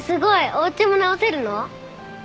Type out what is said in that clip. おうちも直せるの？